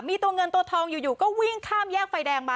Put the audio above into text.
มีตัวเงินตัวทองอยู่ก็วิ่งข้ามแยกไฟแดงมา